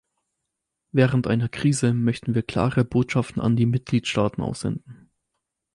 Während einer Krise möchten wir klare Botschaften an die Mitgliedstaaten aussenden.